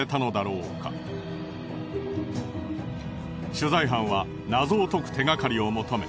取材班は謎を解く手がかりを求め